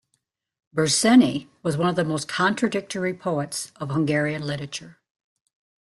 Berzsenyi was one of the most contradictory poets of Hungarian literature.